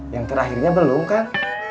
yang terakhirnya belum kan